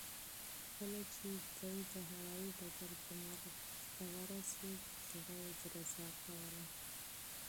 کله چې دی د هوايي ډګر ګمرک ته ورسېد، زړه یې درزا کوله.